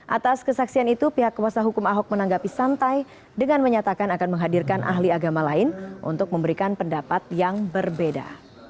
atas kesaksian itu pihak kuasa hukum ahok menanggapi santai dengan menyatakan akan menghadirkan ahli agama lain untuk memberikan pendapat yang berbeda